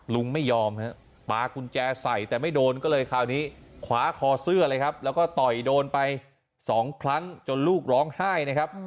ลุงไม่ยอมฮะปลากุญแจใส่แต่ไม่โดนก็เลยคราวนี้ขวาคอเสื้อเลยครับแล้วก็ต่อยโดนไป๒ครั้งจนลูกร้องไห้นะครับ